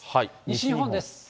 西日本です。